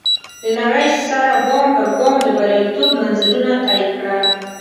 د نړۍ سره ګام پر ګام د برياليتوب منزلونه طی کړه.